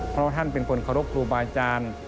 เพราะว่าท่านเป็นคนขอรบครูบาจารย์